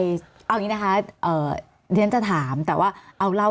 มีความรู้สึกว่ามีความรู้สึกว่ามีความรู้สึกว่า